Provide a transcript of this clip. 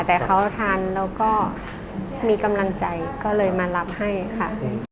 แต่เขาทานแล้วก็มีกำลังใจก็เลยมารับให้ค่ะ